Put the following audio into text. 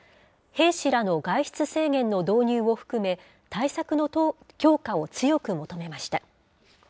兵士らの外出制限の導入を含め対策の強化を強く求めました。